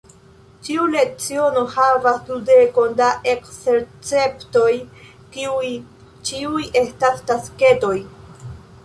Ĉiu leciono havas dudekon da ekzercetoj, kiuj ĉiuj estas tasketoj.